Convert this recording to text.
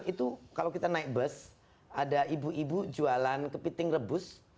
itu kalau kita naik bus ada ibu ibu jualan kepiting rebus